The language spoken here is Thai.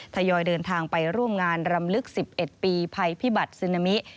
ทยอยเดินทางไปร่วมงานรำลึก๑๑ปีภัยพิบัตรซึนามิ